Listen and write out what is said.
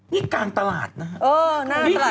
นี่กลางตลาดนะฮะ